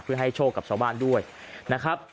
เพื่อให้โชคกับชาวบ้านด้วยนะครับ